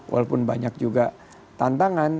walaupun banyak juga tantangan